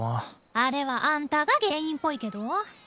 あれはあんたが原因っぽいけど？